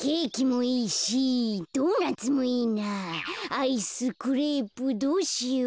アイスクレープどうしよう。